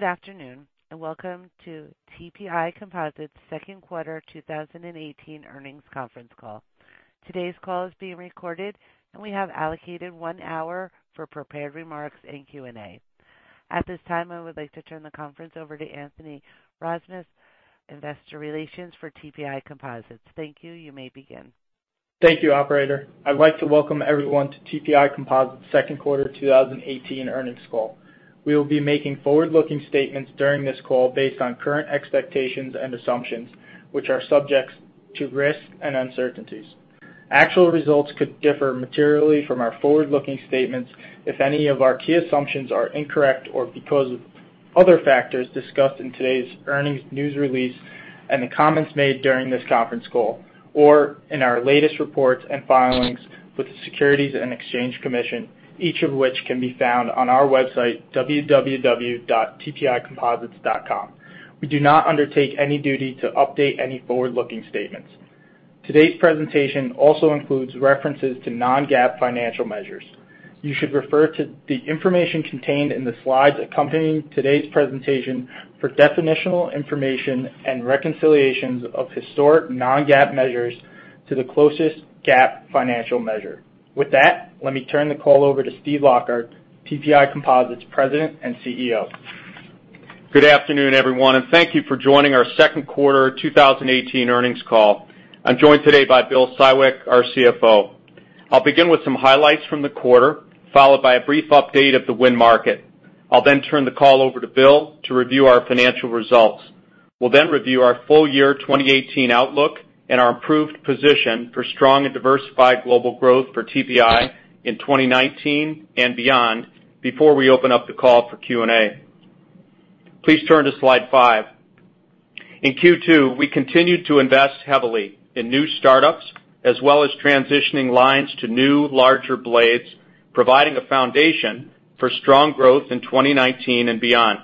Good afternoon, and welcome to TPI Composites' second quarter 2018 earnings conference call. Today's call is being recorded, and we have allocated one hour for prepared remarks and Q&A. At this time, I would like to turn the conference over to Christian Edin, Investor Relations for TPI Composites. Thank you. You may begin. Thank you, operator. I'd like to welcome everyone to TPI Composites second quarter 2018 earnings call. We will be making forward-looking statements during this call based on current expectations and assumptions, which are subject to risks and uncertainties. Actual results could differ materially from our forward-looking statements if any of our key assumptions are incorrect or because of other factors discussed in today's earnings news release and the comments made during this conference call or in our latest reports and filings with the Securities and Exchange Commission, each of which can be found on our website, www.tpicomposites.com. We do not undertake any duty to update any forward-looking statements. Today's presentation also includes references to non-GAAP financial measures. You should refer to the information contained in the slides accompanying today's presentation for definitional information and reconciliations of historic non-GAAP measures to the closest GAAP financial measure. With that, let me turn the call over to Steve Lockard, TPI Composites President and CEO. Good afternoon, everyone, and thank you for joining our second quarter 2018 earnings call. I'm joined today by Bill Siwek, our CFO. I'll begin with some highlights from the quarter, followed by a brief update of the wind market. I'll turn the call over to Bill to review our financial results. We'll review our full year 2018 outlook and our improved position for strong and diversified global growth for TPI in 2019 and beyond before we open up the call for Q&A. Please turn to slide five. In Q2, we continued to invest heavily in new startups as well as transitioning lines to new, larger blades, providing a foundation for strong growth in 2019 and beyond.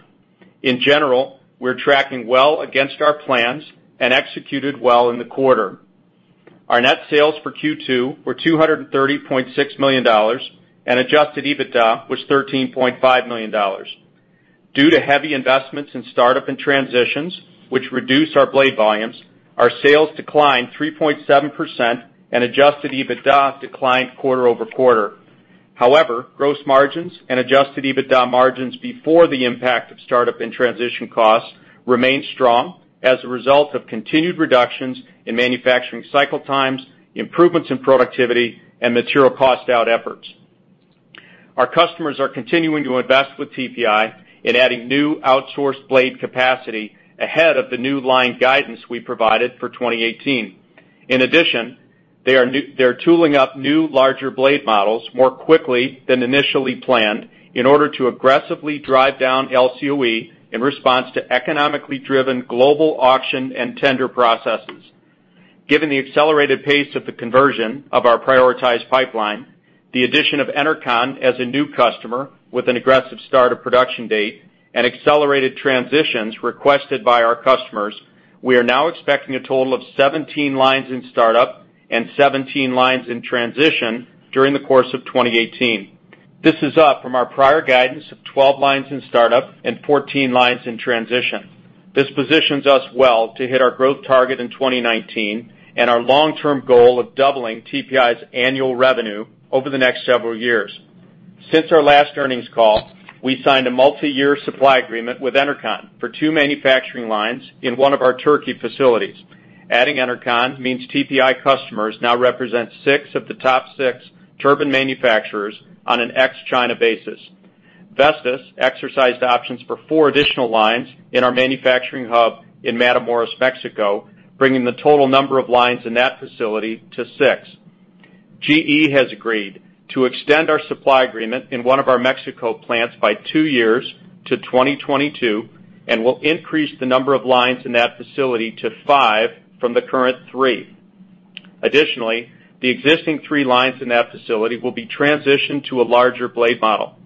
In general, we're tracking well against our plans and executed well in the quarter. Our net sales for Q2 were $230.6 million, and adjusted EBITDA was $13.5 million. Due to heavy investments in startup and transitions, which reduce our blade volumes, our sales declined 3.7% and adjusted EBITDA declined quarter-over-quarter. However, gross margins and adjusted EBITDA margins before the impact of startup and transition costs remained strong as a result of continued reductions in manufacturing cycle times, improvements in productivity, and material cost-out efforts. Our customers are continuing to invest with TPI in adding new outsourced blade capacity ahead of the new line guidance we provided for 2018. They are tooling up new larger blade models more quickly than initially planned in order to aggressively drive down LCOE in response to economically driven global auction and tender processes. Given the accelerated pace of the conversion of our prioritized pipeline, the addition of Enercon as a new customer with an aggressive start of production date, and accelerated transitions requested by our customers, we are now expecting a total of 17 lines in startup and 17 lines in transition during the course of 2018. This is up from our prior guidance of 12 lines in startup and 14 lines in transition. This positions us well to hit our growth target in 2019 and our long-term goal of doubling TPI's annual revenue over the next several years. Since our last earnings call, we signed a multi-year supply agreement with Enercon for two manufacturing lines in one of our Turkey facilities. Adding Enercon means TPI customers now represent six of the top six turbine manufacturers on an ex-China basis. Vestas exercised options for four additional lines in our manufacturing hub in Matamoros, Mexico, bringing the total number of lines in that facility to six. GE has agreed to extend our supply agreement in one of our Mexico plants by two years to 2022 and will increase the number of lines in that facility to five from the current three. The existing three lines in that facility will be transitioned to a larger blade model.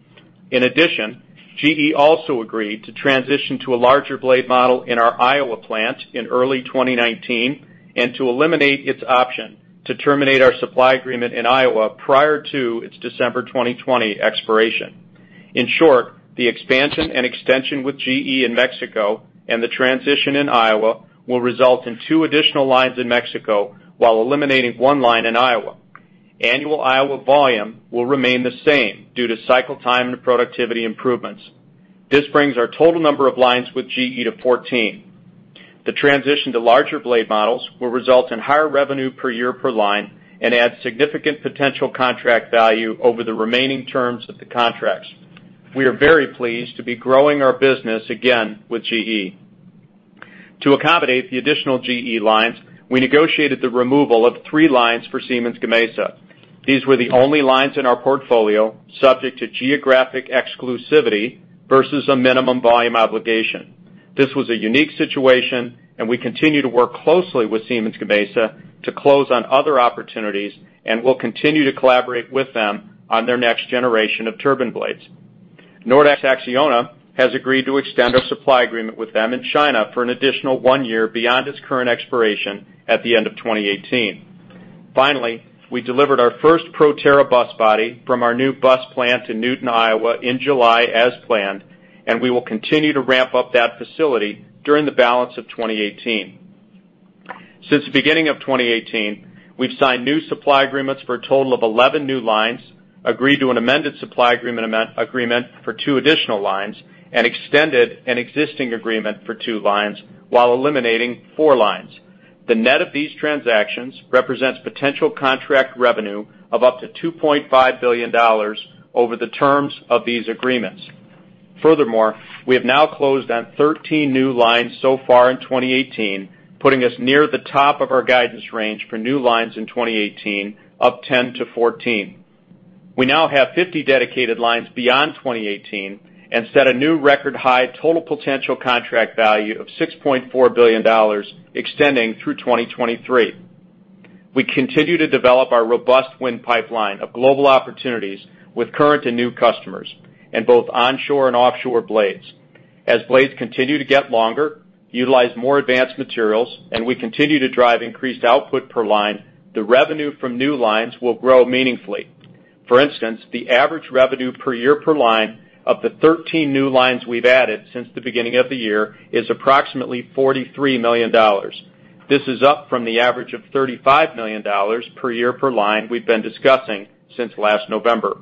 GE also agreed to transition to a larger blade model in our Iowa plant in early 2019 and to eliminate its option to terminate our supply agreement in Iowa prior to its December 2020 expiration. The expansion and extension with GE in Mexico and the transition in Iowa will result in two additional lines in Mexico while eliminating one line in Iowa. Annual Iowa volume will remain the same due to cycle time and productivity improvements. This brings our total number of lines with GE to 14. The transition to larger blade models will result in higher revenue per year per line and add significant potential contract value over the remaining terms of the contracts. We are very pleased to be growing our business again with GE. To accommodate the additional GE lines, we negotiated the removal of three lines for Siemens Gamesa. These were the only lines in our portfolio subject to geographic exclusivity versus a minimum volume obligation. This was a unique situation, and we continue to work closely with Siemens Gamesa to close on other opportunities and will continue to collaborate with them on their next generation of turbine blades. Nordex Acciona has agreed to extend our supply agreement with them in China for an additional one year beyond its current expiration at the end of 2018. Finally, we delivered our first Proterra bus body from our new bus plant in Newton, Iowa, in July as planned, and we will continue to ramp up that facility during the balance of 2018. Since the beginning of 2018, we've signed new supply agreements for a total of 11 new lines, agreed to an amended supply agreement for two additional lines, and extended an existing agreement for two lines while eliminating four lines. The net of these transactions represents potential contract revenue of up to $2.5 billion over the terms of these agreements. We have now closed on 13 new lines so far in 2018, putting us near the top of our guidance range for new lines in 2018, up 10 to 14. We now have 50 dedicated lines beyond 2018 and set a new record high total potential contract value of $6.4 billion extending through 2023. We continue to develop our robust wind pipeline of global opportunities with current and new customers in both onshore and offshore blades. As blades continue to get longer, utilize more advanced materials, and we continue to drive increased output per line, the revenue from new lines will grow meaningfully. For instance, the average revenue per year per line of the 13 new lines we've added since the beginning of the year is approximately $43 million. This is up from the average of $35 million per year per line we've been discussing since last November.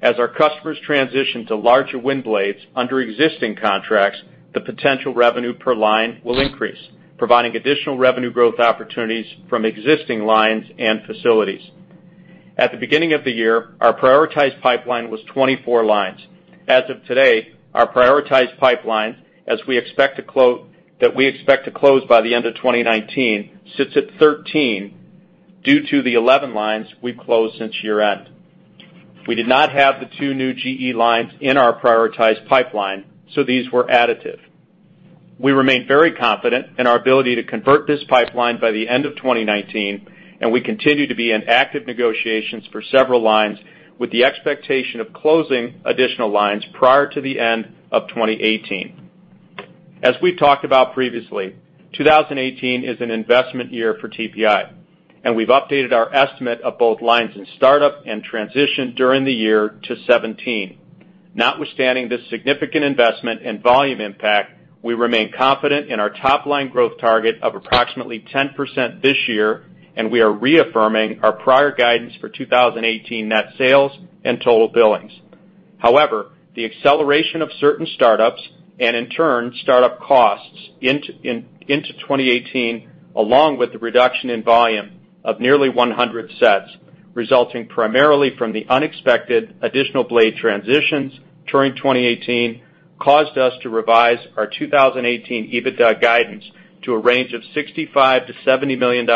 As our customers transition to larger wind blades under existing contracts, the potential revenue per line will increase, providing additional revenue growth opportunities from existing lines and facilities. At the beginning of the year, our prioritized pipeline was 24 lines. As of today, our prioritized pipeline that we expect to close by the end of 2019 sits at 13 due to the 11 lines we've closed since year-end. We did not have the two new GE lines in our prioritized pipeline, so these were additive. We remain very confident in our ability to convert this pipeline by the end of 2019, and we continue to be in active negotiations for several lines, with the expectation of closing additional lines prior to the end of 2018. As we've talked about previously, 2018 is an investment year for TPI, and we've updated our estimate of both lines in startup and transition during the year to 17. Notwithstanding this significant investment and volume impact, we remain confident in our top-line growth target of approximately 10% this year, and we are reaffirming our prior guidance for 2018 net sales and total billings. The acceleration of certain startups, and in turn, startup costs into 2018, along with the reduction in volume of nearly 100 sets, resulting primarily from the unexpected additional blade transitions during 2018, caused us to revise our 2018 EBITDA guidance to a range of $65 million-$70 million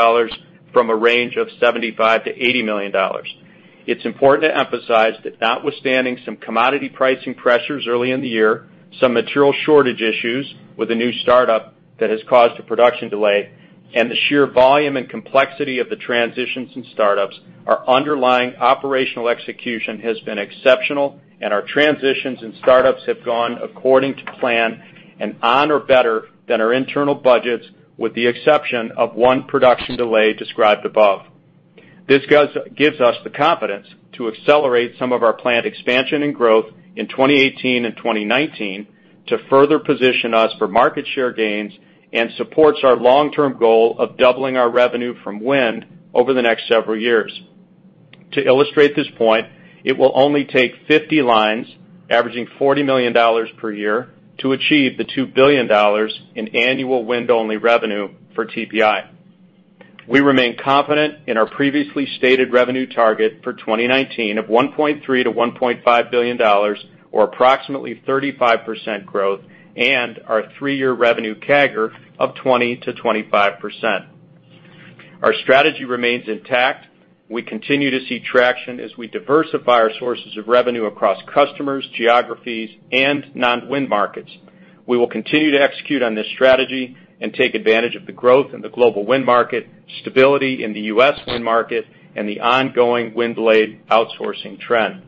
from a range of $75 million-$80 million. It's important to emphasize that notwithstanding some commodity pricing pressures early in the year, some material shortage issues with a new startup that has caused a production delay, and the sheer volume and complexity of the transitions and startups, our underlying operational execution has been exceptional, and our transitions and startups have gone according to plan and on or better than our internal budgets, with the exception of one production delay described above. This gives us the confidence to accelerate some of our planned expansion and growth in 2018 and 2019 to further position us for market share gains and supports our long-term goal of doubling our revenue from wind over the next several years. To illustrate this point, it will only take 50 lines, averaging $40 million per year, to achieve the $2 billion in annual wind-only revenue for TPI. We remain confident in our previously stated revenue target for 2019 of $1.3 billion to $1.5 billion, or approximately 35% growth, and our three-year revenue CAGR of 20%-25%. Our strategy remains intact. We continue to see traction as we diversify our sources of revenue across customers, geographies, and non-wind markets. We will continue to execute on this strategy and take advantage of the growth in the global wind market, stability in the U.S. wind market, and the ongoing wind blade outsourcing trend.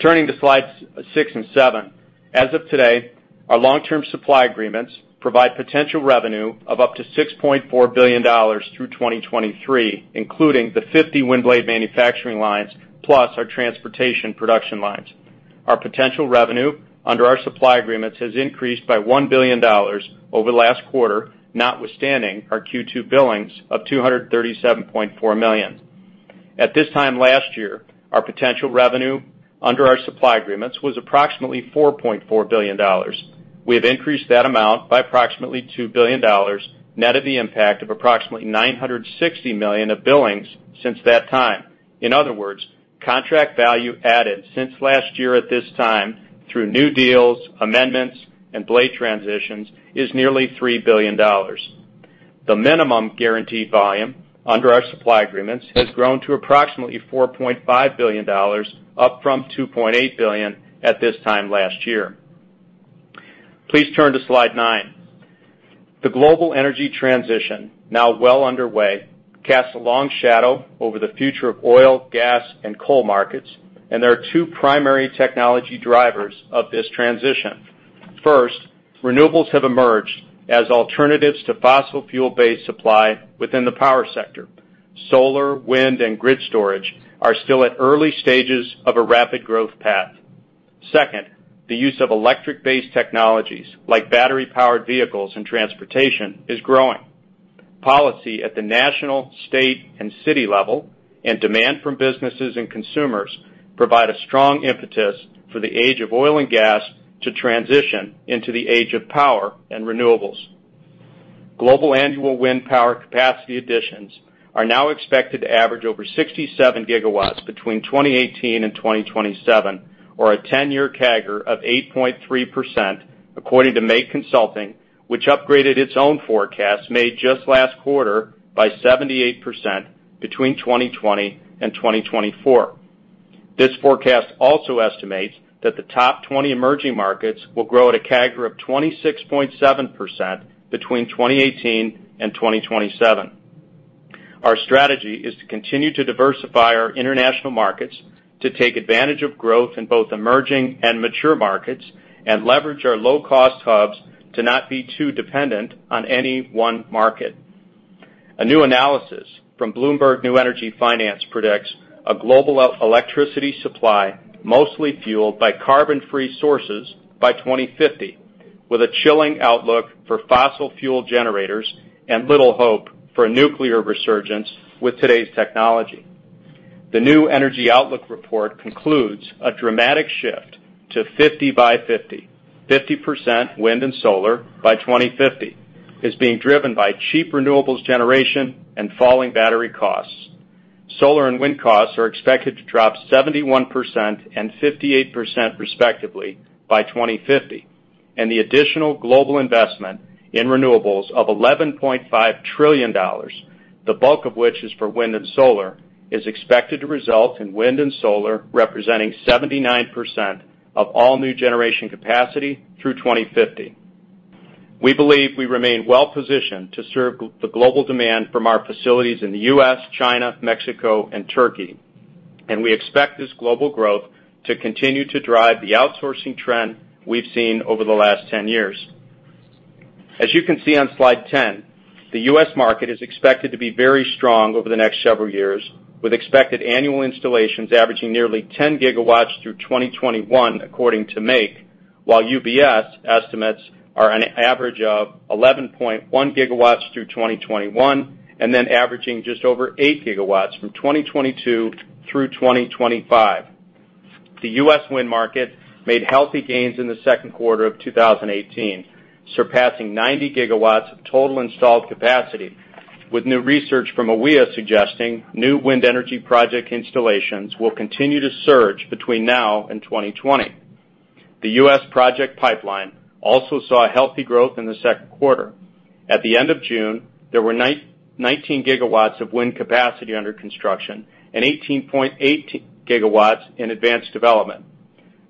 Turning to slides six and seven. As of today, our long-term supply agreements provide potential revenue of up to $6.4 billion through 2023, including the 50 wind blade manufacturing lines, plus our transportation production lines. Our potential revenue under our supply agreements has increased by $1 billion over the last quarter, notwithstanding our Q2 billings of $237.4 million. At this time last year, our potential revenue under our supply agreements was approximately $4.4 billion. We have increased that amount by approximately $2 billion, net of the impact of approximately $960 million of billings since that time. In other words, contract value added since last year at this time through new deals, amendments, and blade transitions is nearly $3 billion. The minimum guaranteed volume under our supply agreements has grown to approximately $4.5 billion, up from $2.8 billion at this time last year. Please turn to slide nine. The global energy transition, now well underway, casts a long shadow over the future of oil, gas, and coal markets, there are two primary technology drivers of this transition. First, renewables have emerged as alternatives to fossil fuel-based supply within the power sector. Solar, wind, and grid storage are still at early stages of a rapid growth path. Second, the use of electric-based technologies, like battery-powered vehicles and transportation, is growing. Policy at the national, state, and city level and demand from businesses and consumers provide a strong impetus for the age of oil and gas to transition into the age of power and renewables. Global annual wind power capacity additions are now expected to average over 67 gigawatts between 2018 and 2027, or a 10-year CAGR of 8.3%, according to MAKE Consulting, which upgraded its own forecast made just last quarter by 78% between 2020 and 2024. This forecast also estimates that the top 20 emerging markets will grow at a CAGR of 26.7% between 2018 and 2027. Our strategy is to continue to diversify our international markets to take advantage of growth in both emerging and mature markets and leverage our low-cost hubs to not be too dependent on any one market. A new analysis from Bloomberg New Energy Finance predicts a global electricity supply mostly fueled by carbon-free sources by 2050, with a chilling outlook for fossil fuel generators and little hope for a nuclear resurgence with today's technology. The new Energy Outlook report concludes a dramatic shift to 50 by '50. 50% wind and solar by 2050 is being driven by cheap renewables generation and falling battery costs. Solar and wind costs are expected to drop 71% and 58%, respectively, by 2050, and the additional global investment in renewables of $11.5 trillion, the bulk of which is for wind and solar, is expected to result in wind and solar representing 79% of all new generation capacity through 2050. We believe we remain well-positioned to serve the global demand from our facilities in the U.S., China, Mexico, and Turkey. We expect this global growth to continue to drive the outsourcing trend we've seen over the last 10 years. As you can see on slide 10, the U.S. market is expected to be very strong over the next several years, with expected annual installations averaging nearly 10 gigawatts through 2021, according to MAKE, while UBS estimates are an average of 11.1 gigawatts through 2021 and then averaging just over 8 gigawatts from 2022 through 2025. The U.S. wind market made healthy gains in the second quarter of 2018, surpassing 90 gigawatts of total installed capacity, with new research from AWEA suggesting new wind energy project installations will continue to surge between now and 2020. The U.S. project pipeline also saw a healthy growth in the second quarter. At the end of June, there were 19 gigawatts of wind capacity under construction and 18.8 gigawatts in advanced development.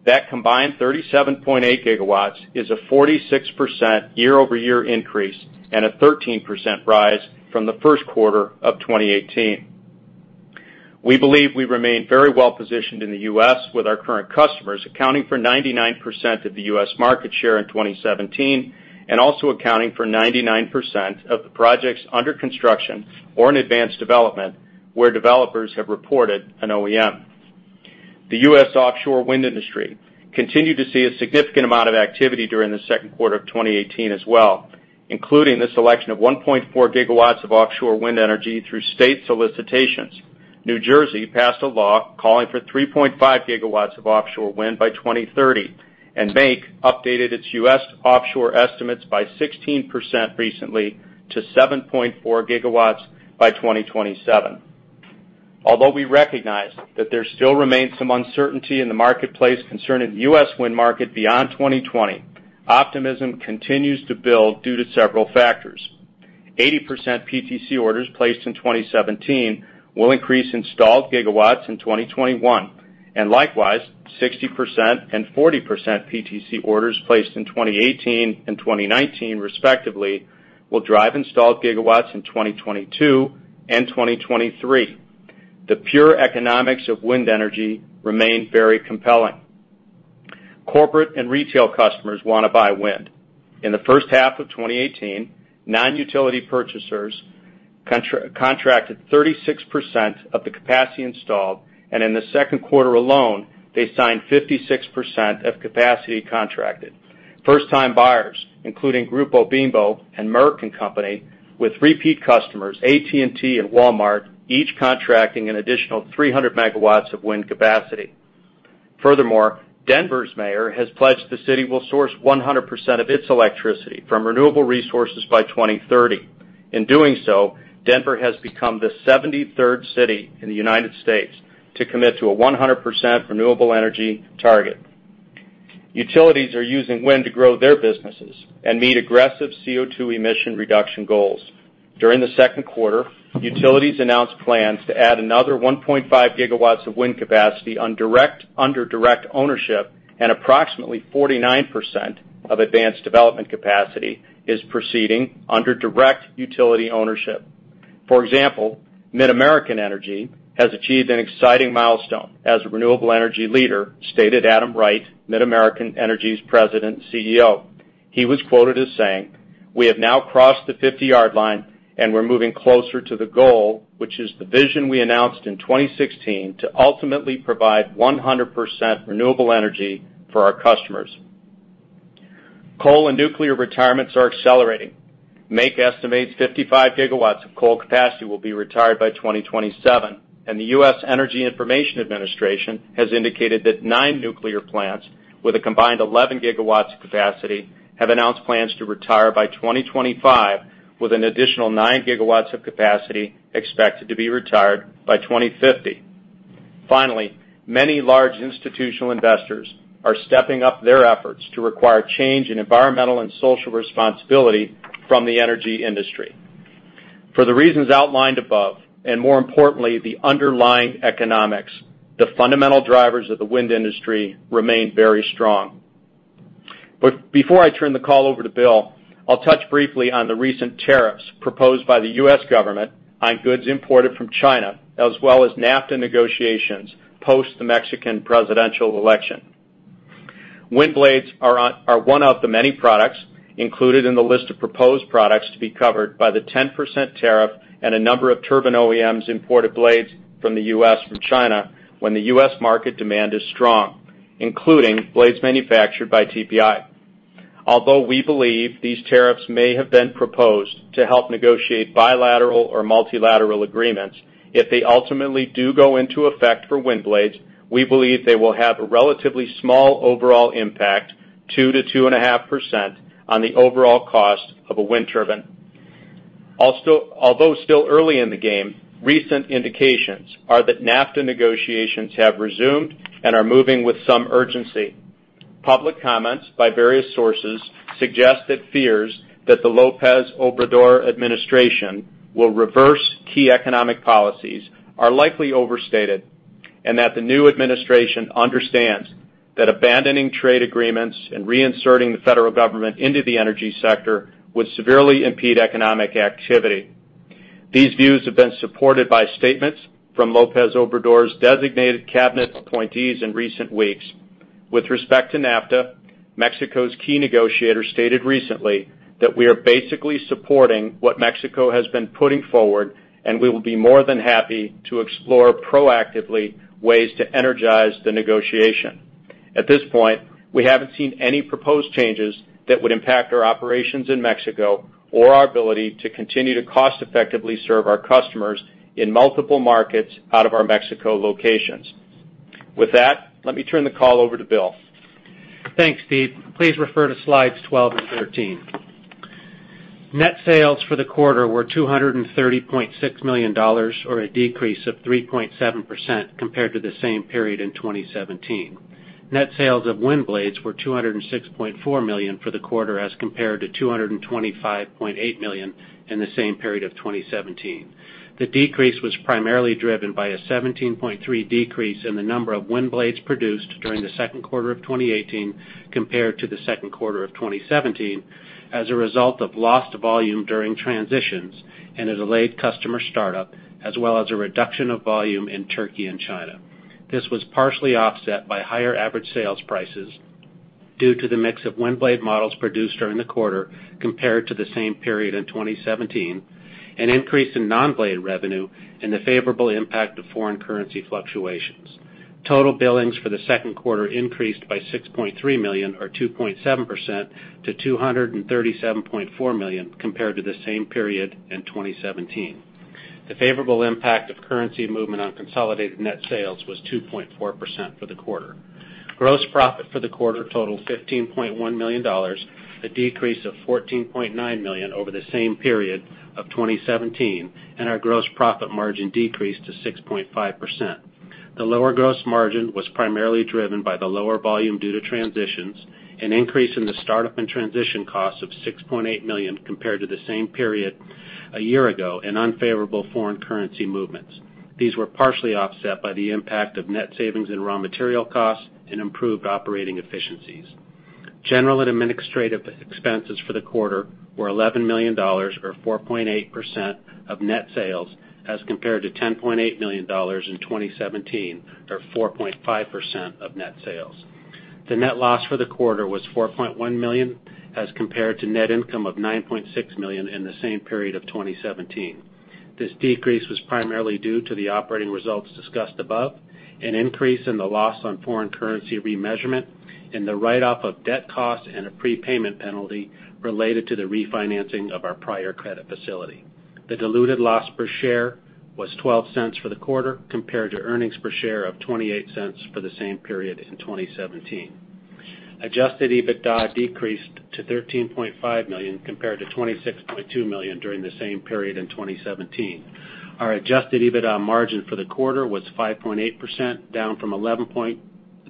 That combined 37.8 gigawatts is a 46% year-over-year increase and a 13% rise from the first quarter of 2018. We believe we remain very well-positioned in the U.S., with our current customers accounting for 99% of the U.S. market share in 2017 and also accounting for 99% of the projects under construction or in advanced development where developers have reported an OEM. The U.S. offshore wind industry continued to see a significant amount of activity during the second quarter of 2018 as well, including the selection of 1.4 gigawatts of offshore wind energy through state solicitations. New Jersey passed a law calling for 3.5 gigawatts of offshore wind by 2030. MAKE updated its U.S. offshore estimates by 16% recently to 7.4 gigawatts by 2027. Although we recognize that there still remains some uncertainty in the marketplace concerning the U.S. wind market beyond 2020, optimism continues to build due to several factors. 80% PTC orders placed in 2017 will increase installed gigawatts in 2021. Likewise, 60% and 40% PTC orders placed in 2018 and 2019, respectively, will drive installed gigawatts in 2022 and 2023. The pure economics of wind energy remain very compelling. Corporate and retail customers want to buy wind. In the first half of 2018, non-utility purchasers contracted 36% of the capacity installed. In the second quarter alone, they signed 56% of capacity contracted. First-time buyers, including Grupo Bimbo and Merck & Co., with repeat customers, AT&T and Walmart, each contracting an additional 300 megawatts of wind capacity. Furthermore, Denver's mayor has pledged the city will source 100% of its electricity from renewable resources by 2030. In doing so, Denver has become the 73rd city in the U.S. to commit to a 100% renewable energy target. Utilities are using wind to grow their businesses and meet aggressive CO2 emission reduction goals. During the second quarter, utilities announced plans to add another 1.5 gigawatts of wind capacity under direct ownership, and approximately 49% of advanced development capacity is proceeding under direct utility ownership. For example, MidAmerican Energy has achieved an exciting milestone as a renewable energy leader, stated Adam Wright, MidAmerican Energy's President and CEO. He was quoted as saying, "We have now crossed the 50-yard line and we're moving closer to the goal, which is the vision we announced in 2016 to ultimately provide 100% renewable energy for our customers." Coal and nuclear retirements are accelerating. MAKE estimates 55 gigawatts of coal capacity will be retired by 2027, and the U.S. U.S. Energy Information Administration has indicated that nine nuclear plants with a combined 11 gigawatts of capacity have announced plans to retire by 2025, with an additional nine gigawatts of capacity expected to be retired by 2050. Finally, many large institutional investors are stepping up their efforts to require change in environmental and social responsibility from the energy industry. For the reasons outlined above, and more importantly, the underlying economics, the fundamental drivers of the wind industry remain very strong. Before I turn the call over to Bill, I'll touch briefly on the recent tariffs proposed by the U.S. government on goods imported from China, as well as NAFTA negotiations post the Mexican presidential election. Wind blades are one of the many products included in the list of proposed products to be covered by the 10% tariff and a number of turbine OEMs imported blades from the U.S., from China when the U.S. market demand is strong, including blades manufactured by TPI. Although we believe these tariffs may have been proposed to help negotiate bilateral or multilateral agreements, if they ultimately do go into effect for wind blades, we believe they will have a relatively small overall impact, 2%-2.5% on the overall cost of a wind turbine. Although still early in the game, recent indications are that NAFTA negotiations have resumed and are moving with some urgency. Public comments by various sources suggest that fears that the López Obrador administration will reverse key economic policies are likely overstated, and that the new administration understands that abandoning trade agreements and reinserting the federal government into the energy sector would severely impede economic activity. These views have been supported by statements from López Obrador's designated cabinet appointees in recent weeks. With respect to NAFTA, Mexico's key negotiator stated recently that we are basically supporting what Mexico has been putting forward, and we will be more than happy to explore proactively ways to energize the negotiation. At this point, we haven't seen any proposed changes that would impact our operations in Mexico or our ability to continue to cost-effectively serve our customers in multiple markets out of our Mexico locations. With that, let me turn the call over to Bill. Thanks, Steve. Please refer to slides 12 and 13. Net sales for the quarter were $230.6 million, or a decrease of 3.7% compared to the same period in 2017. Net sales of wind blades were $206.4 million for the quarter as compared to $225.8 million in the same period of 2017. The decrease was primarily driven by a 17.3 decrease in the number of wind blades produced during the second quarter of 2018 compared to the second quarter of 2017, as a result of lost volume during transitions and a delayed customer startup, as well as a reduction of volume in Turkey and China. This was partially offset by higher average sales prices due to the mix of wind blade models produced during the quarter compared to the same period in 2017, an increase in non-blade revenue, and the favorable impact of foreign currency fluctuations. Total billings for the second quarter increased by $6.3 million or 2.7% to $237.4 million compared to the same period in 2017. The favorable impact of currency movement on consolidated net sales was 2.4% for the quarter. Gross profit for the quarter totaled $15.1 million, a decrease of $14.9 million over the same period of 2017, and our gross profit margin decreased to 6.5%. The lower gross margin was primarily driven by the lower volume due to transitions, an increase in the start-up and transition cost of $6.8 million compared to the same period a year ago, and unfavorable foreign currency movements. These were partially offset by the impact of net savings in raw material costs and improved operating efficiencies. General and administrative expenses for the quarter were $11 million or 4.8% of net sales as compared to $10.8 million in 2017 or 4.5% of net sales. The net loss for the quarter was $4.1 million as compared to net income of $9.6 million in the same period of 2017. This decrease was primarily due to the operating results discussed above, an increase in the loss on foreign currency remeasurement, and the write-off of debt cost and a prepayment penalty related to the refinancing of our prior credit facility. The diluted loss per share was $0.12 for the quarter compared to earnings per share of $0.28 for the same period in 2017. Adjusted EBITDA decreased to $13.5 million compared to $26.2 million during the same period in 2017. Our adjusted EBITDA margin for the quarter was 5.8%, down from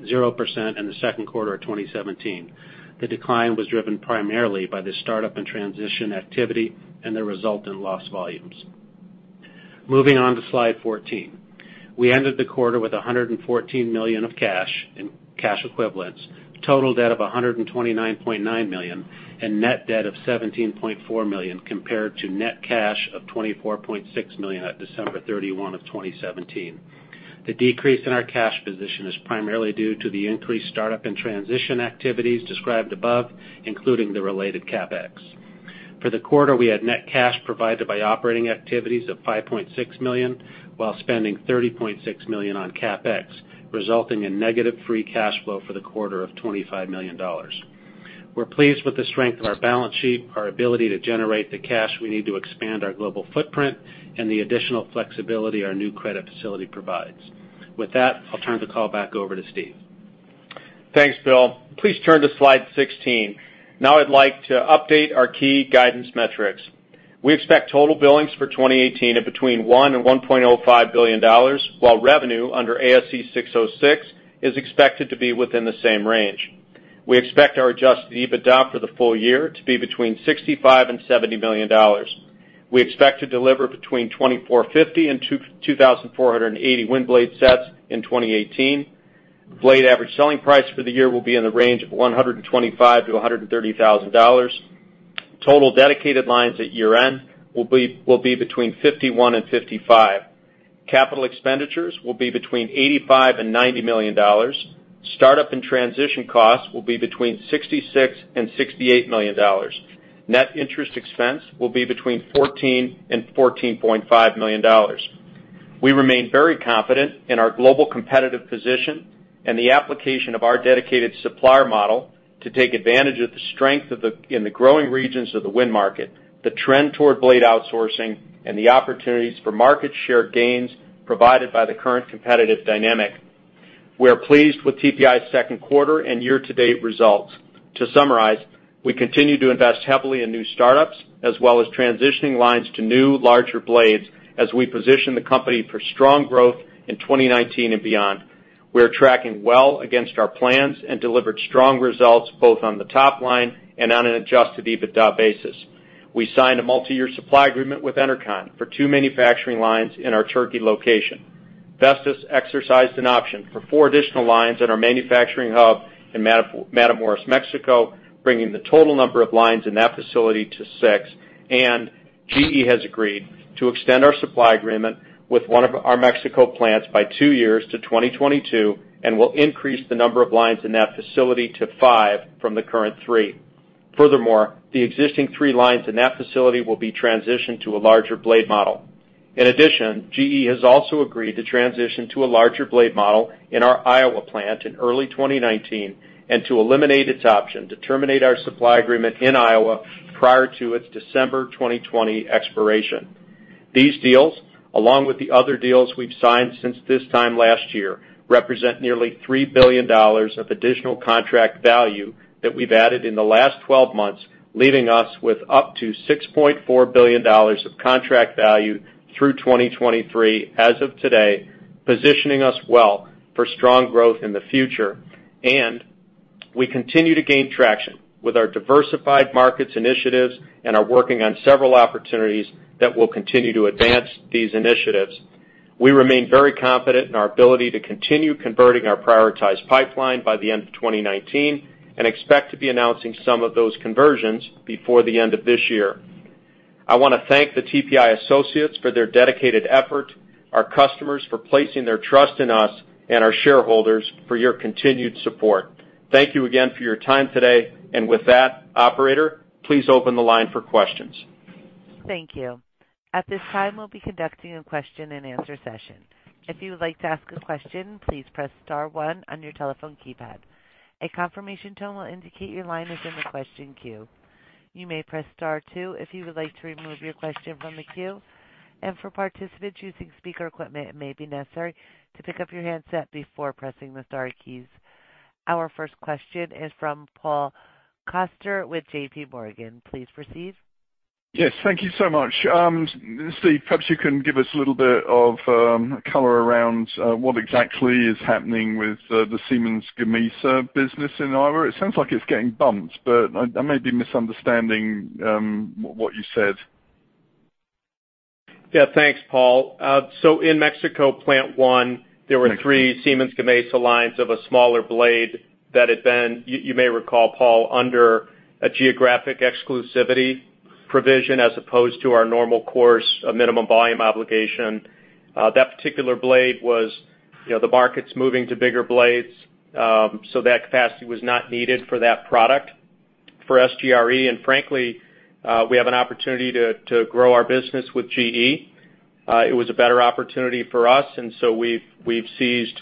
11.0% in the second quarter of 2017. The decline was driven primarily by the start-up and transition activity and the resultant loss volumes. Moving on to slide 14. We ended the quarter with $114 million of cash and cash equivalents, total debt of $129.9 million, and net debt of $17.4 million compared to net cash of $24.6 million at December 31 of 2017. The decrease in our cash position is primarily due to the increased startup and transition activities described above, including the related CapEx. For the quarter, we had net cash provided by operating activities of $5.6 million while spending $30.6 million on CapEx, resulting in negative free cash flow for the quarter of $25 million. We're pleased with the strength of our balance sheet, our ability to generate the cash we need to expand our global footprint, and the additional flexibility our new credit facility provides. With that, I'll turn the call back over to Steve. Thanks, Bill. Please turn to slide 16. I'd like to update our key guidance metrics. We expect total billings for 2018 at between $1 and $1.05 billion, while revenue under ASC 606 is expected to be within the same range. We expect our adjusted EBITDA for the full year to be between $65 and $70 million. We expect to deliver between 2,450 and 2,480 wind blade sets in 2018. Blade average selling price for the year will be in the range of $125,000 to $130,000. Total dedicated lines at year-end will be between 51 and 55. Capital expenditures will be between $85 and $90 million. Start-up and transition costs will be between $66 and $68 million. Net interest expense will be between $14 and $14.5 million. We remain very confident in our global competitive position and the application of our dedicated supplier model to take advantage of the strength in the growing regions of the wind market, the trend toward blade outsourcing, and the opportunities for market share gains provided by the current competitive dynamic. We are pleased with TPI's second quarter and year-to-date results. To summarize, we continue to invest heavily in new startups as well as transitioning lines to new, larger blades as we position the company for strong growth in 2019 and beyond. We are tracking well against our plans and delivered strong results both on the top line and on an adjusted EBITDA basis. We signed a multi-year supply agreement with Enercon for two manufacturing lines in our Turkey location. Vestas exercised an option for four additional lines at our manufacturing hub in Matamoros, Mexico, bringing the total number of lines in that facility to six. GE has agreed to extend our supply agreement with one of our Mexico plants by two years to 2022 and will increase the number of lines in that facility to five from the current three. The existing three lines in that facility will be transitioned to a larger blade model. GE has also agreed to transition to a larger blade model in our Iowa plant in early 2019 and to eliminate its option to terminate our supply agreement in Iowa prior to its December 2020 expiration. These deals, along with the other deals we've signed since this time last year, represent nearly $3 billion of additional contract value that we've added in the last 12 months, leaving us with up to $6.4 billion of contract value through 2023 as of today, positioning us well for strong growth in the future. We continue to gain traction with our diversified markets initiatives and are working on several opportunities that will continue to advance these initiatives. We remain very confident in our ability to continue converting our prioritized pipeline by the end of 2019 and expect to be announcing some of those conversions before the end of this year. I want to thank the TPI associates for their dedicated effort, our customers for placing their trust in us, and our shareholders for your continued support. Thank you again for your time today. Operator, please open the line for questions. Thank you. At this time, we'll be conducting a question and answer session. If you would like to ask a question, please press star one on your telephone keypad. A confirmation tone will indicate your line is in the question queue. You may press star two if you would like to remove your question from the queue. For participants using speaker equipment, it may be necessary to pick up your handset before pressing the star keys. Our first question is from Paul Coster with JPMorgan. Please proceed. Yes, thank you so much. Steve, perhaps you can give us a little bit of color around what exactly is happening with the Siemens Gamesa business in Iowa. It sounds like it's getting bumped, but I may be misunderstanding what you said. Yeah, thanks, Paul. In Mexico plant one, there were three Siemens Gamesa lines of a smaller blade that had been, you may recall, Paul, under a geographic exclusivity provision as opposed to our normal course, a minimum volume obligation. That particular blade, the market's moving to bigger blades, so that capacity was not needed for that product for SGRE. Frankly, we have an opportunity to grow our business with GE. It was a better opportunity for us, we've seized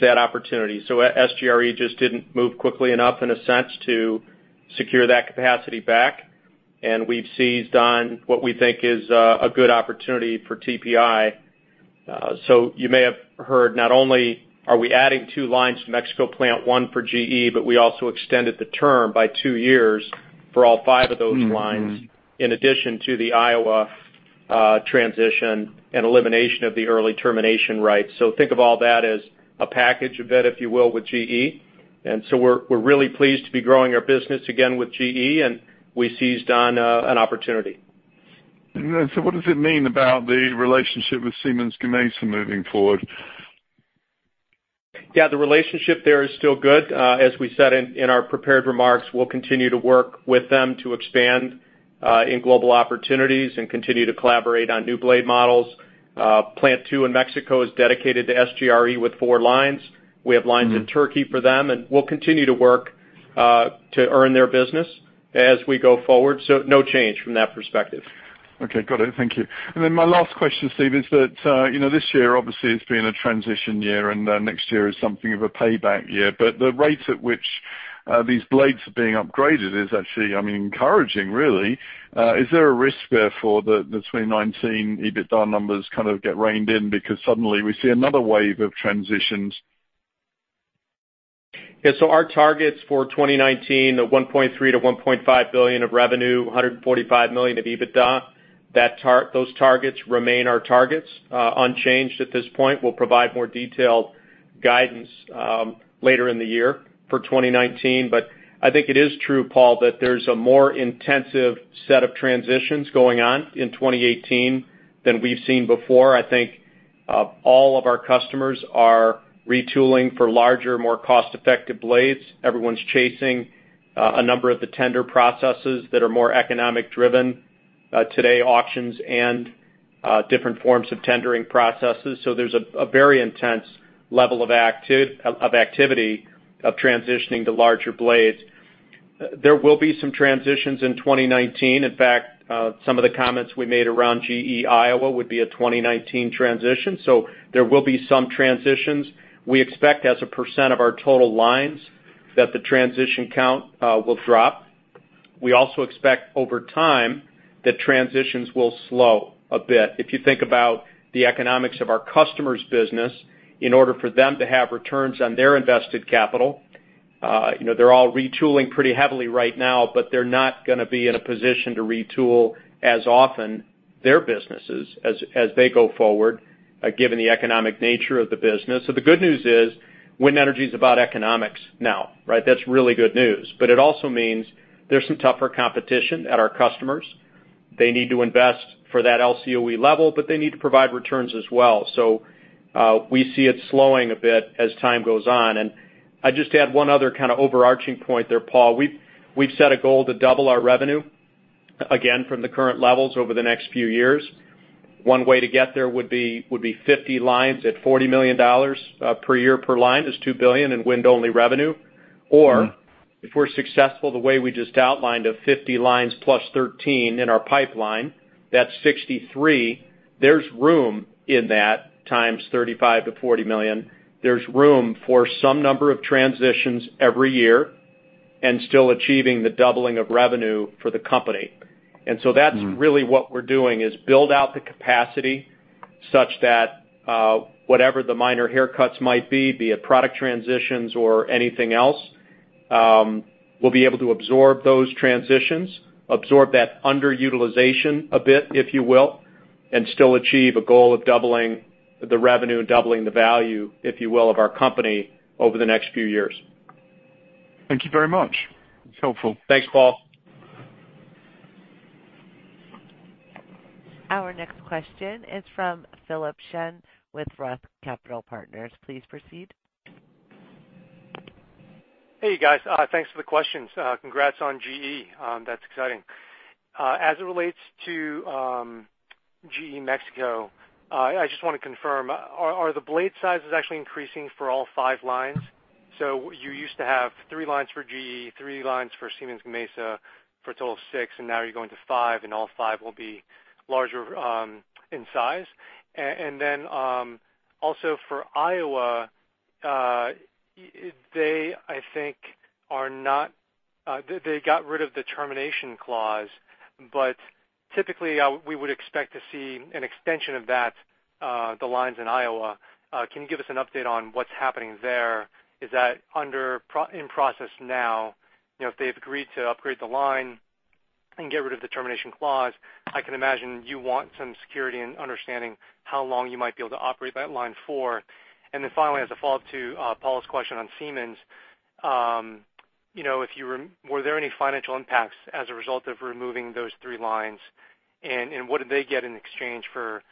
that opportunity. SGRE just didn't move quickly enough in a sense to secure that capacity back, and we've seized on what we think is a good opportunity for TPI. You may have heard not only are we adding 2 lines to Mexico Plant 1 for GE, we also extended the term by 2 years for all 5 of those lines in addition to the Iowa transition and elimination of the early termination rights. Think of all that as a package of it, if you will, with GE. We're really pleased to be growing our business again with GE, and we seized on an opportunity. What does it mean about the relationship with Siemens Gamesa moving forward? The relationship there is still good. As we said in our prepared remarks, we'll continue to work with them to expand in global opportunities and continue to collaborate on new blade models. Plant 2 in Mexico is dedicated to SGRE with 4 lines. We have lines in Turkey for them, and we'll continue to work to earn their business as we go forward. No change from that perspective. Okay. Got it. Thank you. My last question, Steve, is that this year, obviously, it's been a transition year, and next year is something of a payback year. The rate at which these blades are being upgraded is actually encouraging, really. Is there a risk, therefore, that 2019 EBITDA numbers kind of get reined in because suddenly we see another wave of transitions? Yeah. Our targets for 2019 are $1.3 billion-$1.5 billion of revenue, $145 million of EBITDA. Those targets remain our targets, unchanged at this point. We'll provide more detailed guidance later in the year for 2019. I think it is true, Paul, that there's a more intensive set of transitions going on in 2018 than we've seen before. I think all of our customers are retooling for larger, more cost-effective blades. Everyone's chasing a number of the tender processes that are more economic driven today, auctions and different forms of tendering processes. There's a very intense level of activity of transitioning to larger blades. There will be some transitions in 2019. In fact, some of the comments we made around GE Iowa would be a 2019 transition. There will be some transitions. We expect, as a % of our total lines, that the transition count will drop. We also expect over time that transitions will slow a bit. If you think about the economics of our customers' business, in order for them to have returns on their invested capital, they're all retooling pretty heavily right now, but they're not going to be in a position to retool as often their businesses as they go forward, given the economic nature of the business. The good news is wind energy is about economics now, right? That's really good news. It also means there's some tougher competition at our customers. They need to invest for that LCOE level, but they need to provide returns as well. We see it slowing a bit as time goes on. I'd just add one other kind of overarching point there, Paul. We've set a goal to double our revenue, again, from the current levels over the next few years. One way to get there would be 50 lines at $40 million per year per line is $2 billion in wind-only revenue. If we're successful the way we just outlined of 50 lines plus 13 in our pipeline, that's 63. There's room in that times $35 million-$40 million. There's room for some number of transitions every year and still achieving the doubling of revenue for the company. That's really what we're doing, is build out the capacity such that whatever the minor haircuts might be it product transitions or anything else, we'll be able to absorb those transitions, absorb that underutilization a bit, if you will, and still achieve a goal of doubling the revenue, doubling the value, if you will, of our company over the next few years. Thank you very much. It's helpful. Thanks, Paul. Our next question is from Philip Shen with Roth Capital Partners. Please proceed. Hey, guys. Thanks for the questions. Congrats on GE. That's exciting. As it relates to GE Mexico, I just want to confirm, are the blade sizes actually increasing for all five lines? You used to have three lines for GE, three lines for Siemens Gamesa for a total of six, and now you're going to five, and all five will be larger in size. Also for Iowa, they got rid of the termination clause. Typically, we would expect to see an extension of that, the lines in Iowa. Can you give us an update on what's happening there? Is that in process now? If they've agreed to upgrade the line and get rid of the termination clause, I can imagine you want some security in understanding how long you might be able to operate that line for. Finally, as a follow-up to Paul's question on Siemens, were there any financial impacts as a result of removing those three lines? What did they get in exchange for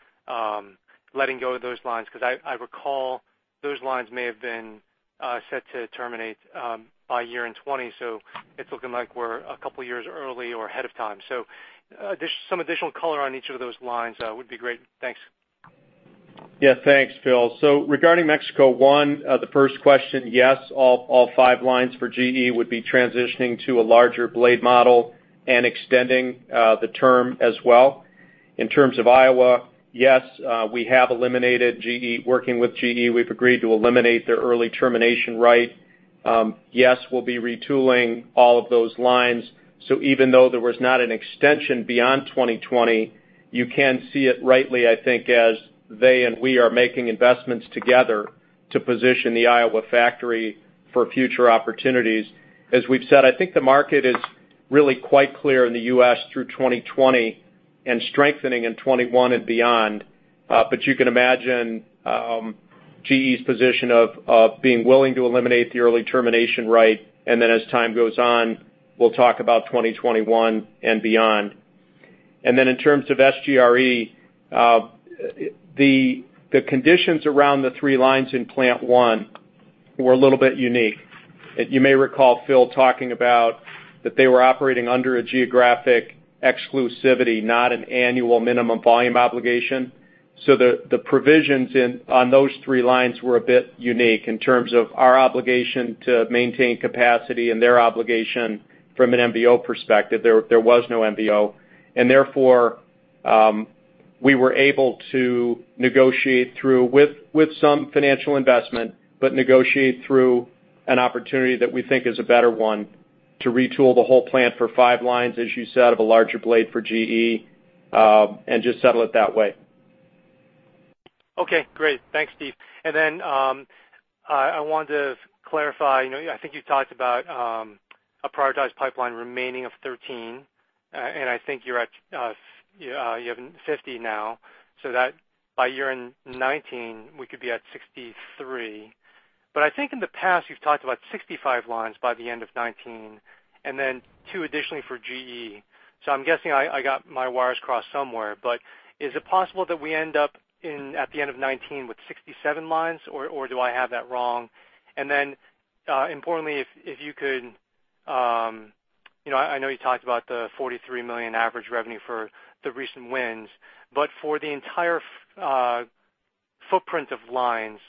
letting go of those lines? Because I recall those lines may have been set to terminate by year-end 2020, so it's looking like we're a couple of years early or ahead of time. Just some additional color on each of those lines would be great. Thanks. Thanks, Phil. Regarding Mexico, one, the first question, yes, all five lines for GE would be transitioning to a larger blade model and extending the term as well. In terms of Iowa, yes, working with GE, we've agreed to eliminate their early termination right. Yes, we'll be retooling all of those lines. Even though there was not an extension beyond 2020, you can see it rightly, I think, as they and we are making investments together to position the Iowa factory for future opportunities. As we've said, I think the market is really quite clear in the U.S. through 2020 and strengthening in 2021 and beyond. You can imagine GE's position of being willing to eliminate the early termination right, and then as time goes on, we'll talk about 2021 and beyond. In terms of SGRE, the conditions around the three lines in plant one were a little bit unique. You may recall Phil talking about that they were operating under a geographic exclusivity, not an annual minimum volume obligation. The provisions on those three lines were a bit unique in terms of our obligation to maintain capacity and their obligation from an MBO perspective. There was no MBO, therefore, we were able to negotiate through, with some financial investment, but negotiate through an opportunity that we think is a better one to retool the whole plant for five lines, as you said, of a larger blade for GE, and just settle it that way. Great. Thanks, Steve. I want to clarify, I think you talked about a prioritized pipeline remaining of 13, I think you have 50 now, so that by year-end 2019, we could be at 63. I think in the past, you've talked about 65 lines by the end of 2019, and then two additionally for GE. I'm guessing I got my wires crossed somewhere, but is it possible that we end up at the end of 2019 with 67 lines, or do I have that wrong? Importantly, I know you talked about the $43 million average revenue for the recent wins, but for the entire footprint of lines,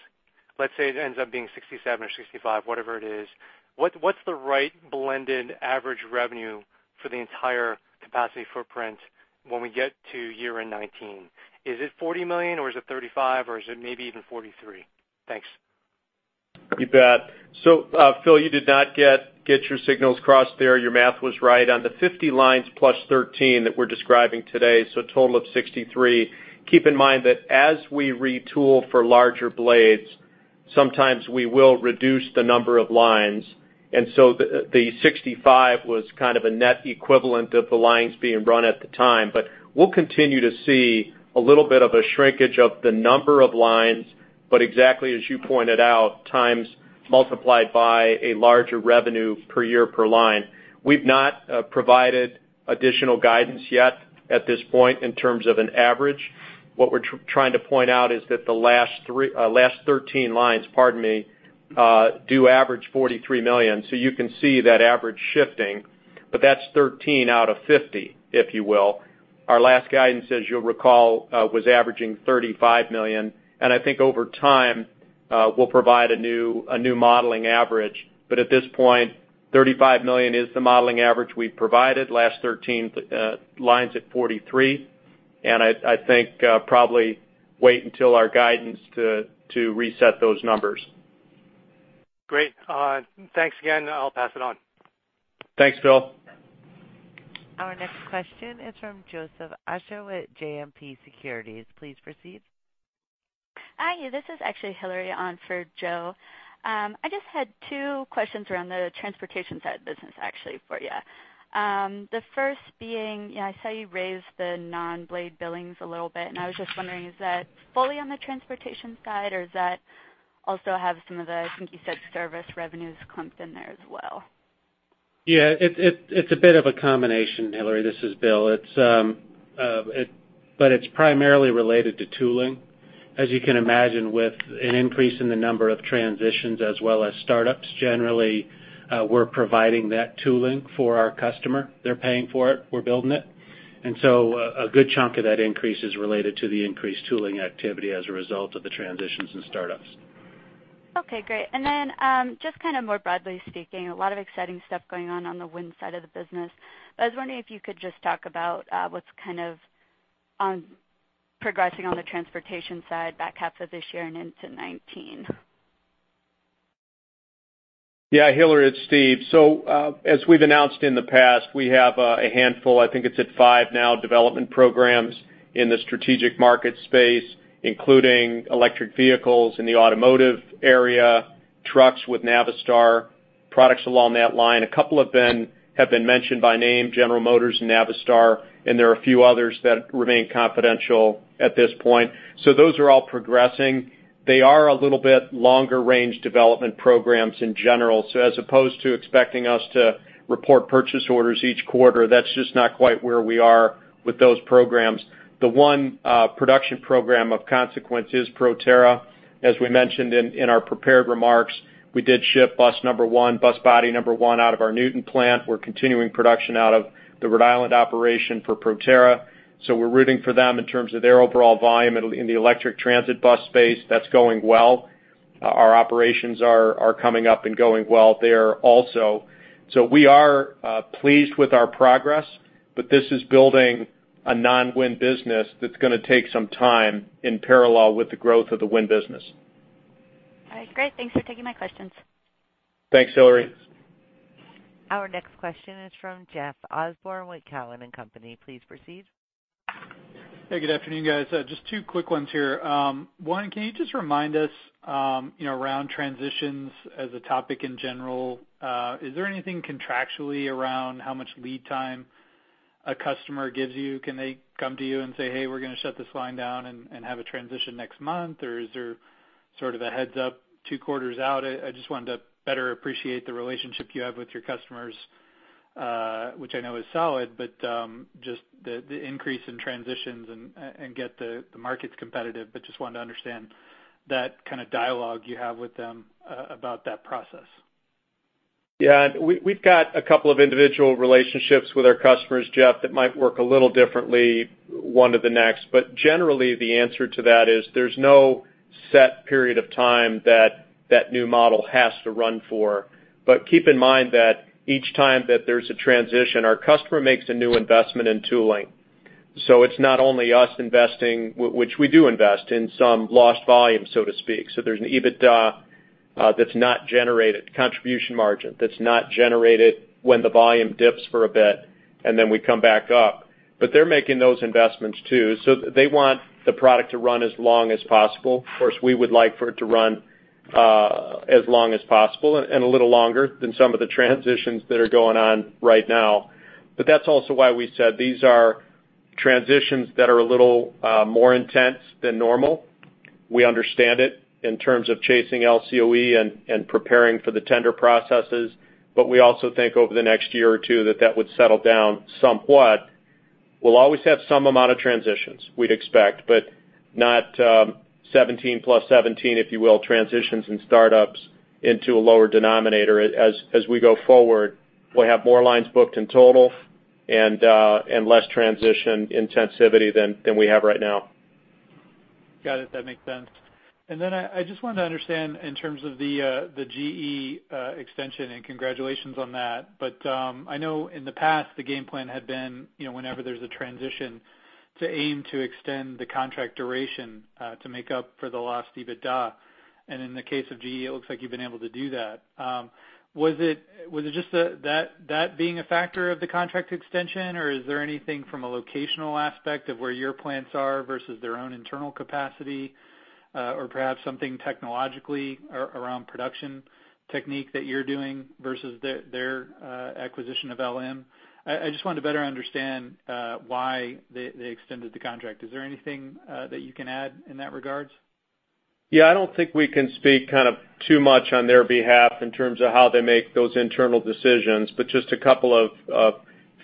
let's say it ends up being 67 or 65, whatever it is, what's the right blended average revenue for the entire capacity footprint when we get to year-end 2019? Is it $40 million or is it $35 or is it maybe even $43? Thanks. You bet. Phil, you did not get your signals crossed there. Your math was right. On the 50 lines plus 13 that we're describing today, a total of 63, keep in mind that as we retool for larger blades, sometimes we will reduce the number of lines. The 65 was kind of a net equivalent of the lines being run at the time. We'll continue to see a little bit of a shrinkage of the number of lines, but exactly as you pointed out, times multiplied by a larger revenue per year per line. We've not provided additional guidance yet at this point in terms of an average. What we're trying to point out is that the last 13 lines do average $43 million. You can see that average shifting, but that's 13 out of 50, if you will. Our last guidance, as you'll recall, was averaging $35 million, and I think over time, we'll provide a new modeling average. At this point, $35 million is the modeling average we provided, last 13 lines at $43, and I think probably wait until our guidance to reset those numbers. Great. Thanks again. I'll pass it on. Thanks, Phil. Our next question is from Joseph Osha with JMP Securities. Please proceed. Hi, this is actually Hillary on for Joe. I just had two questions around the transportation side business, actually, for you. The first being, I saw you raised the non-blade billings a little bit, and I was just wondering, is that fully on the transportation side, or does that also have some of the, I think you said service revenues clumped in there as well? Yeah, it's a bit of a combination, Hillary. This is Bill. It's primarily related to tooling. As you can imagine, with an increase in the number of transitions as well as startups, generally, we're providing that tooling for our customer. They're paying for it, we're building it. A good chunk of that increase is related to the increased tooling activity as a result of the transitions and startups. Okay, great. Just kind of more broadly speaking, a lot of exciting stuff going on on the wind side of the business, but I was wondering if you could just talk about what's kind of progressing on the transportation side back half of this year and into 2019. Yeah, Hillary, it's Steve. As we've announced in the past, we have a handful, I think it's at five now, development programs in the strategic market space, including electric vehicles in the automotive area, trucks with Navistar, products along that line. A couple have been mentioned by name, General Motors and Navistar, and there are a few others that remain confidential at this point. Those are all progressing. They are a little bit longer range development programs in general. As opposed to expecting us to report purchase orders each quarter, that's just not quite where we are with those programs. The one production program of consequence is Proterra. As we mentioned in our prepared remarks, we did ship bus number one, bus body number one out of our Newton plant. We're continuing production out of the Rhode Island operation for Proterra. We're rooting for them in terms of their overall volume in the electric transit bus space. That's going well. Our operations are coming up and going well there also. We are pleased with our progress, but this is building a non-wind business that's going to take some time in parallel with the growth of the wind business. All right, great. Thanks for taking my questions. Thanks, Hillary. Our next question is from Jeff Osborne with Cowen and Company. Please proceed. Hey, good afternoon, guys. Just two quick ones here. One, can you just remind us around transitions as a topic in general, is there anything contractually around how much lead time a customer gives you, can they come to you and say, "Hey, we're going to shut this line down and have a transition next month?" Or is there sort of a heads-up two quarters out? I just wanted to better appreciate the relationship you have with your customers, which I know is solid, but just the increase in transitions and get the markets competitive, but just wanted to understand that kind of dialogue you have with them about that process. Yeah. We've got a couple of individual relationships with our customers, Jeff, that might work a little differently one to the next. Generally, the answer to that is there's no set period of time that new model has to run for. Keep in mind that each time that there's a transition, our customer makes a new investment in tooling. It's not only us investing, which we do invest in some lost volume, so to speak. There's an EBITDA that's not generated, contribution margin that's not generated when the volume dips for a bit, and then we come back up. They're making those investments, too. They want the product to run as long as possible. Of course, we would like for it to run as long as possible and a little longer than some of the transitions that are going on right now. That's also why we said these are transitions that are a little more intense than normal. We understand it in terms of chasing LCOE and preparing for the tender processes. We also think over the next year or two that that would settle down somewhat. We'll always have some amount of transitions we'd expect, but not 17 plus 17, if you will, transitions and startups into a lower denominator as we go forward. We'll have more lines booked in total and less transition intensivity than we have right now. Got it. That makes sense. Then I just wanted to understand in terms of the GE extension, and congratulations on that. I know in the past, the game plan had been whenever there's a transition to aim to extend the contract duration to make up for the lost EBITDA. In the case of GE, it looks like you've been able to do that. Was it just that being a factor of the contract extension, or is there anything from a locational aspect of where your plants are versus their own internal capacity? Or perhaps something technologically around production technique that you're doing versus their acquisition of LM? I just wanted to better understand why they extended the contract. Is there anything that you can add in that regard? I don't think we can speak kind of too much on their behalf in terms of how they make those internal decisions, just a couple of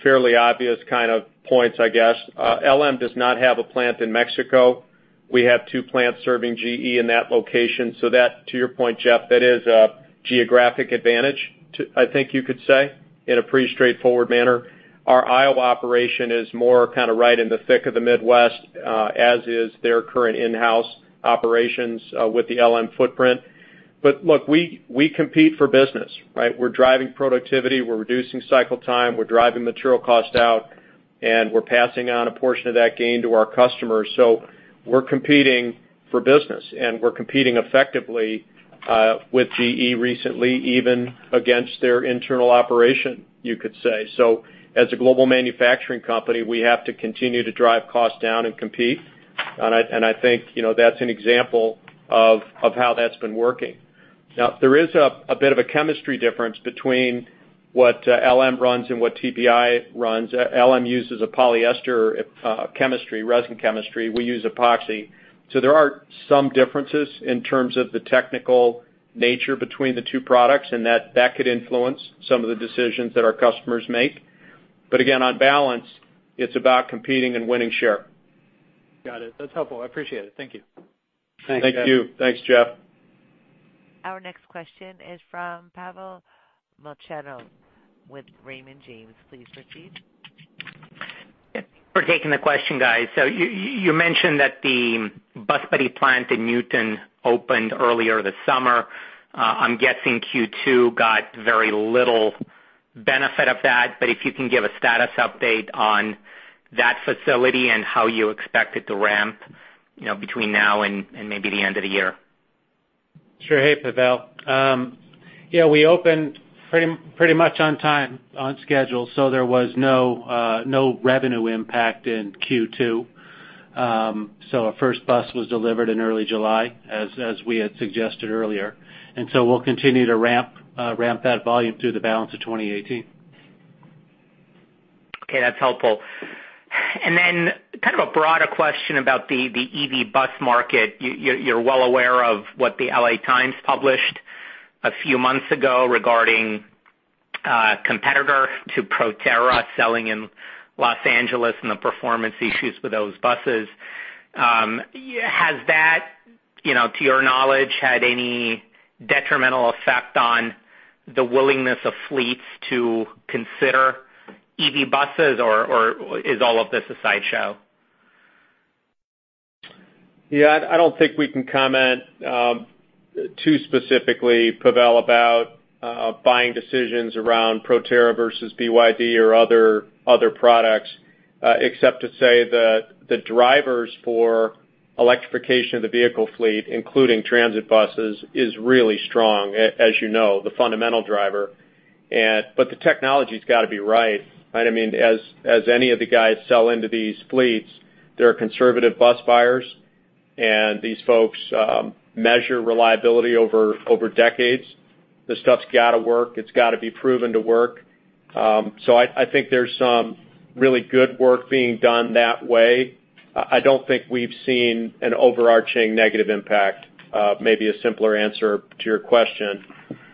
fairly obvious kind of points, I guess. LM does not have a plant in Mexico. We have two plants serving GE in that location. That, to your point, Jeff, that is a geographic advantage, I think you could say, in a pretty straightforward manner. Our Iowa operation is more kind of right in the thick of the Midwest as is their current in-house operations with the LM footprint. Look, we compete for business, right? We're driving productivity, we're reducing cycle time, we're driving material cost out, and we're passing on a portion of that gain to our customers. We're competing for business, and we're competing effectively with GE recently, even against their internal operation, you could say. As a global manufacturing company, we have to continue to drive costs down and compete. I think that's an example of how that's been working. Now, there is a bit of a chemistry difference between what LM runs and what TPI runs. LM uses a polyester chemistry, resin chemistry. We use epoxy. There are some differences in terms of the technical nature between the two products, and that could influence some of the decisions that our customers make. Again, on balance, it's about competing and winning share. Got it. That's helpful. I appreciate it. Thank you. Thanks, Jeff. Thank you. Thanks, Jeff. Our next question is from Pavel Molchanov with Raymond James. Please proceed. Thanks for taking the question, guys. You mentioned that the bus body plant in Newton opened earlier this summer. I'm guessing Q2 got very little benefit of that, if you can give a status update on that facility and how you expect it to ramp between now and maybe the end of the year. Sure. Hey, Pavel. We opened pretty much on time, on schedule, so there was no revenue impact in Q2. Our first bus was delivered in early July, as we had suggested earlier. We'll continue to ramp that volume through the balance of 2018. Okay, that's helpful. Kind of a broader question about the EV bus market. You're well aware of what the L.A. Times published a few months ago regarding a competitor to Proterra selling in Los Angeles and the performance issues with those buses. Has that, to your knowledge, had any detrimental effect on the willingness of fleets to consider EV buses, or is all of this a sideshow? Yeah, I don't think we can comment too specifically, Pavel, about buying decisions around Proterra versus BYD or other products, except to say that the drivers for electrification of the vehicle fleet, including transit buses, is really strong, as you know, the fundamental driver. The technology's got to be right? As any of the guys sell into these fleets, they're conservative bus buyers. These folks measure reliability over decades. This stuff's got to work. It's got to be proven to work. I think there's some really good work being done that way. I don't think we've seen an overarching negative impact. Maybe a simpler answer to your question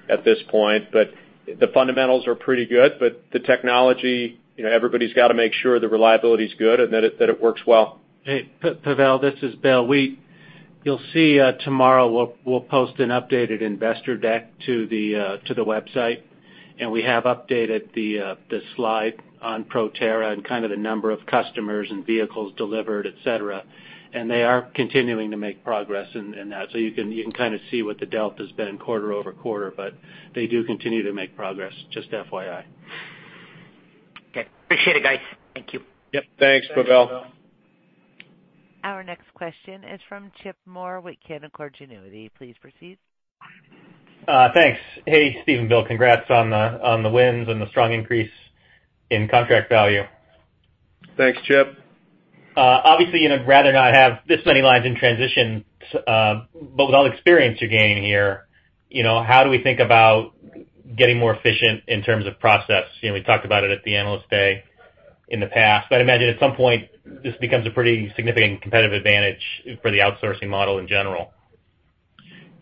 at this point, the fundamentals are pretty good. The technology, everybody's got to make sure the reliability is good and that it works well. Hey, Pavel, this is Bill. You'll see tomorrow, we'll post an updated investor deck to the website, and we have updated the slide on Proterra and kind of the number of customers and vehicles delivered, et cetera. They are continuing to make progress in that. You can kind of see what the delta has been quarter-over-quarter, but they do continue to make progress, just FYI. Okay. Appreciate it, guys. Thank you. Yep. Thanks, Pavel. Thanks, Pavel. Our next question is from Chip Moore with Canaccord Genuity. Please proceed. Thanks. Hey, Steve and Bill. Congrats on the wins and the strong increase in contract value. Thanks, Chip. Obviously, you'd rather not have this many lines in transition. With all the experience you're gaining here, how do we think about getting more efficient in terms of process? We talked about it at the Analyst Day in the past, I'd imagine at some point, this becomes a pretty significant competitive advantage for the outsourcing model in general.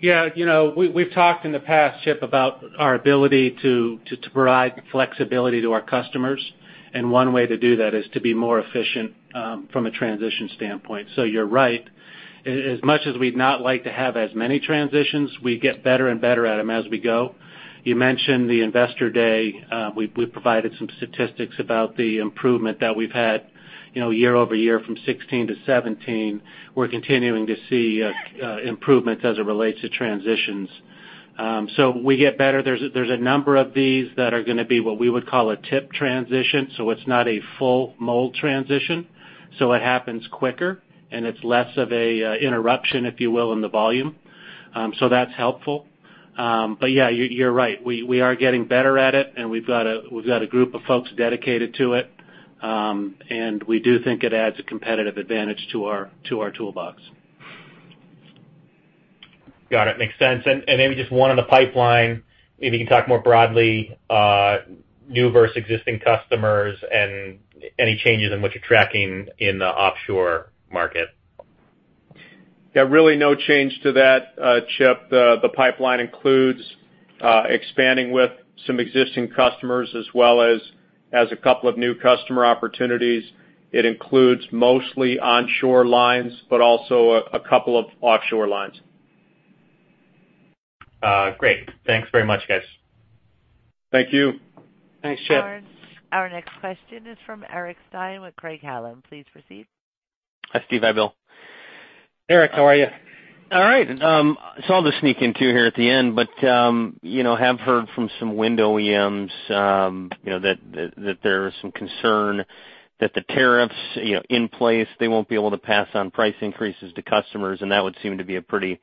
We've talked in the past, Chip, about our ability to provide flexibility to our customers, and one way to do that is to be more efficient from a transition standpoint. You're right. As much as we'd not like to have as many transitions, we get better and better at them as we go. You mentioned the Investor Day. We provided some statistics about the improvement that we've had year-over-year from 2016 to 2017. We're continuing to see improvements as it relates to transitions. We get better. There's a number of these that are going to be what we would call a tip transition, so it's not a full mold transition, so it happens quicker, and it's less of a interruption, if you will, in the volume. That's helpful. You're right. We are getting better at it, and we've got a group of folks dedicated to it. We do think it adds a competitive advantage to our toolbox. Got it. Makes sense. Maybe just one on the pipeline. Maybe you can talk more broadly, new versus existing customers and any changes in what you're tracking in the offshore market. Really no change to that, Chip. The pipeline includes expanding with some existing customers as well as a couple of new customer opportunities. It includes mostly onshore lines, but also a couple of offshore lines. Great. Thanks very much, guys. Thank you. Thanks, Chip. Our next question is from Eric Stine with Craig-Hallum. Please proceed. Hi, Steve. Hi, Bill. Eric, how are you? All right. I'll just sneak in two here at the end, but have heard from some wind OEMs that there is some concern that the tariffs in place, they won't be able to pass on price increases to customers, and that would seem to be a pretty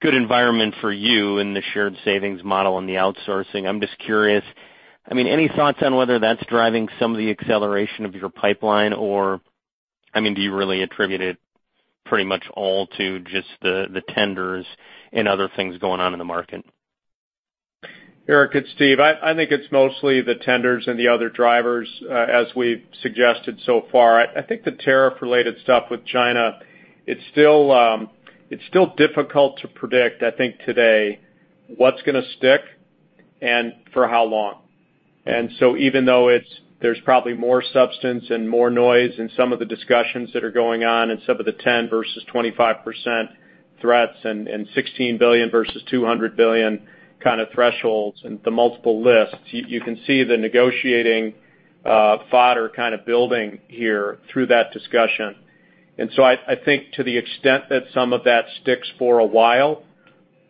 good environment for you in the shared savings model and the outsourcing. I'm just curious, any thoughts on whether that's driving some of the acceleration of your pipeline, or do you really attribute it pretty much all to just the tenders and other things going on in the market? Eric, it's Steve. I think it's mostly the tenders and the other drivers as we've suggested so far. I think the tariff related stuff with China, it's still difficult to predict, I think today, what's going to stick and for how long. Even though there's probably more substance and more noise in some of the discussions that are going on in some of the 10% versus 25% threats and $16 billion versus $200 billion kind of thresholds and the multiple lists, you can see the negotiating fodder kind of building here through that discussion. I think to the extent that some of that sticks for a while,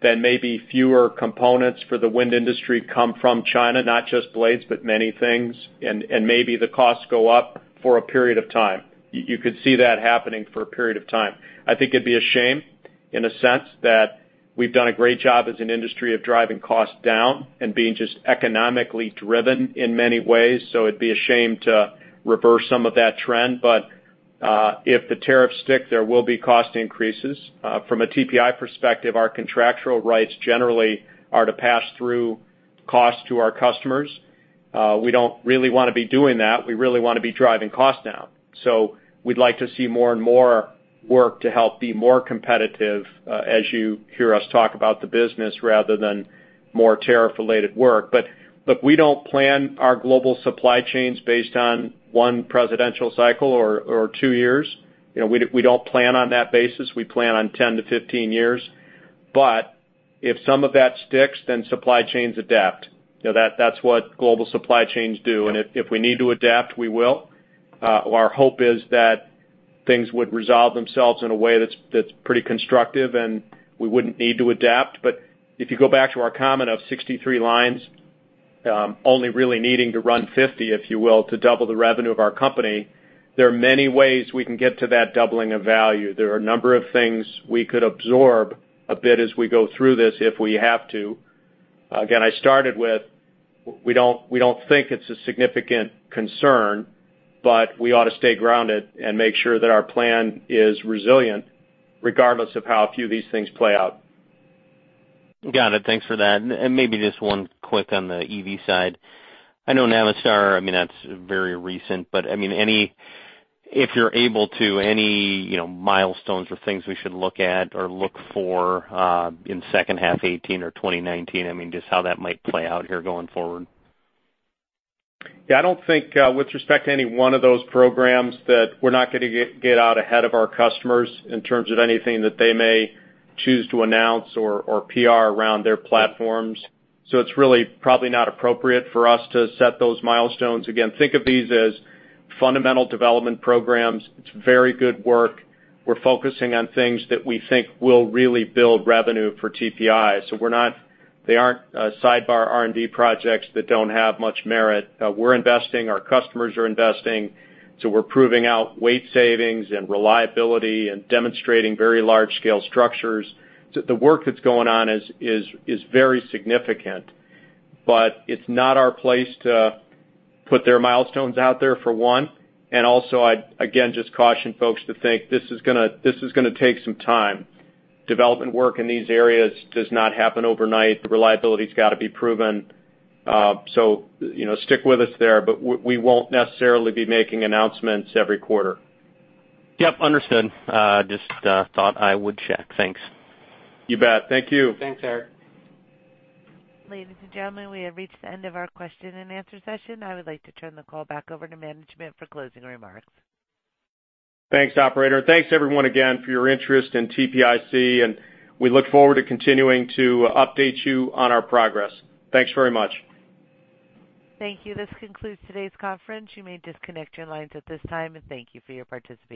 then maybe fewer components for the wind industry come from China, not just blades, but many things, and maybe the costs go up for a period of time. You could see that happening for a period of time. I think it'd be a shame in a sense that we've done a great job as an industry of driving costs down and being just economically driven in many ways. It'd be a shame to reverse some of that trend. If the tariffs stick, there will be cost increases. From a TPI perspective, our contractual rights generally are to pass through cost to our customers. We don't really want to be doing that. We really want to be driving cost down. We'd like to see more and more work to help be more competitive as you hear us talk about the business rather than more tariff related work. We don't plan our global supply chains based on one presidential cycle or two years. We don't plan on that basis. We plan on 10 to 15 years. If some of that sticks, then supply chains adapt. That's what global supply chains do. If we need to adapt, we will. Our hope is that things would resolve themselves in a way that's pretty constructive, and we wouldn't need to adapt. If you go back to our comment of 63 lines, only really needing to run 50, if you will, to double the revenue of our company, there are many ways we can get to that doubling of value. There are a number of things we could absorb a bit as we go through this if we have to. Again, I started with, we don't think it's a significant concern, we ought to stay grounded and make sure that our plan is resilient, regardless of how a few of these things play out. Got it. Thanks for that. Maybe just one quick on the EV side. I know Navistar, that's very recent, if you're able to, any milestones or things we should look at or look for in second half 2018 or 2019? Just how that might play out here going forward. I don't think with respect to any one of those programs, that we're not going to get out ahead of our customers in terms of anything that they may choose to announce or PR around their platforms. It's really probably not appropriate for us to set those milestones. Again, think of these as fundamental development programs. It's very good work. We're focusing on things that we think will really build revenue for TPI. They aren't sidebar R&D projects that don't have much merit. We're investing, our customers are investing, we're proving out weight savings and reliability and demonstrating very large-scale structures. The work that's going on is very significant. It's not our place to put their milestones out there, for one, and also, I, again, just caution folks to think this is going to take some time. Development work in these areas does not happen overnight. The reliability's got to be proven. Stick with us there, but we won't necessarily be making announcements every quarter. Yep, understood. Just thought I would check. Thanks. You bet. Thank you. Thanks, Eric. Ladies and gentlemen, we have reached the end of our question and answer session. I would like to turn the call back over to management for closing remarks. Thanks, operator. Thanks everyone again for your interest in TPIC, we look forward to continuing to update you on our progress. Thanks very much. Thank you. This concludes today's conference. You may disconnect your lines at this time, and thank you for your participation.